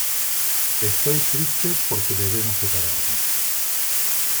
estoy triste porque debemos separarnos .